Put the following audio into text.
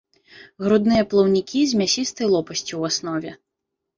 Грудныя плаўнікі з мясістай лопасцю ў аснове.